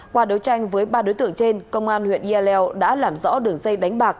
qua đấu tranh với ba đối tượng trên công an huyện yaleo đã làm rõ đường dây đánh bạc